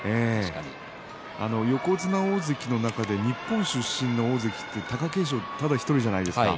横綱、大関の中で日本出身の大関は貴景勝ただ１人じゃないですか。